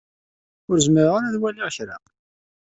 Ur zmireɣ ara ad waliɣ kra.